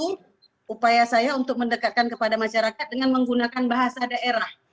itu upaya saya untuk mendekatkan kepada masyarakat dengan menggunakan bahasa daerah